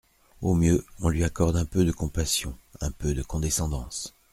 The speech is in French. Au mieux, on lui accorde un peu de compassion, un peu de condescendance.